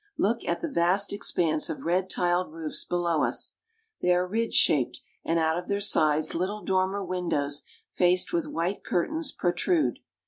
Look at the vast expanse of red tiled roofs below us. They are ridge shaped, and out of their sides little dormer windows faced with white curtains protrude.